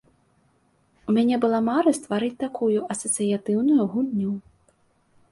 У мяне была мара стварыць такую асацыятыўную гульню.